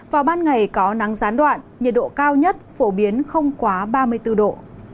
vào ban ngày có nắng gián đoạn nhiệt độ cao nhất phổ biến không quá ba mươi bốn độ